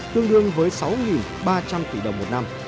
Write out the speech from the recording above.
tương đương với sáu ba trăm linh tỷ đồng